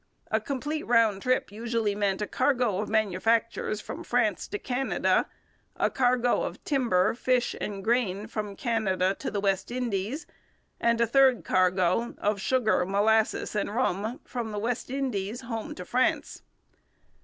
A complete round trip usually meant a cargo of manufactures from France to Canada, a cargo of timber, fish, and grain from Canada to the West Indies, and a third cargo of sugar, molasses, and rum from the West Indies home to France.